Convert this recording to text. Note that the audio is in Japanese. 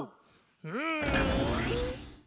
うん！